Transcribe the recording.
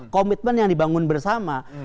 komitmen yang dibangun bersama